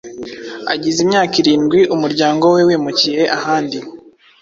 Agize imyaka irindwi umuryango we wimukiye ahandi